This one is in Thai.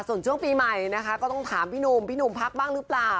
ส่วนช่วงปีใหม่นะคะก็ต้องถามพี่หนุ่มพี่หนุ่มพักบ้างหรือเปล่า